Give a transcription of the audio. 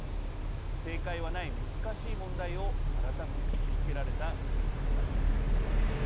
正解はない難しい問題を改めて突きつけられた選挙となりました。